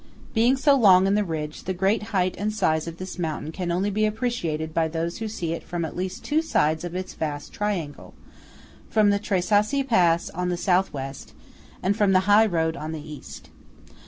Being so long in the ridge, the great height and size of this mountain can only be appreciated by those who see it from at least two sides of its vast triangle–as from the Tre Sassi pass on the S.W., and from the high road on the East.